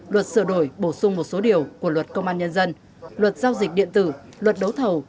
luật sửa đổi bổ sung một số điều của luật công an nhân dân luật giao dịch điện tử luật đấu thầu